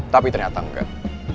tapi ternyata enggak